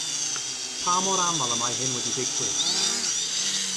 Pa mor aml y mae hyn wedi digwydd?